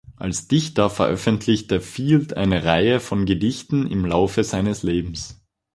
Als Dichter veröffentlichte Field eine Reihe von Gedichten im Laufe seines Lebens.